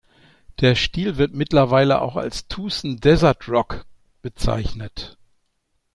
Der Stil wird mittlerweile auch als „Tucson-Desert-Rock“ bezeichnet.